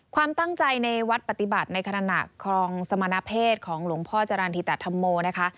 ความตั้งใจในวัดปฏิบัติในขณะครองสมณเพศของหลวงพ่อจรรย์ธิตธรรมโมนะคะ